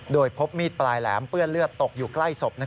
โดยพบมีดปลายแหลมเปื้อนเลือดตกอยู่ใกล้ศพ